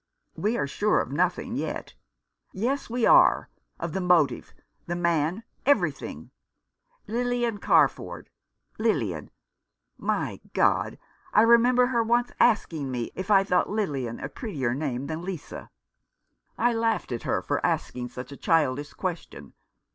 " We are sure of nothing yet." "Yes, we are— of the motive — the man — every thing. Lilian Carford — Lilian My God ! I remember her once asking me if I thought Lilian a prettier name than Lisa. I laughed at her for asking such a childish question.